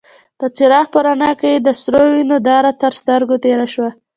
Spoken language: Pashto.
د څراغ په رڼا کې يې د سرو وينو داره تر سترګو تېره شوه.